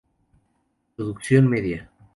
Producción media.